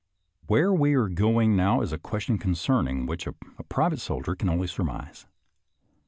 ♦*« Where we are going now is a question concern ing which a private soldier can only surmise.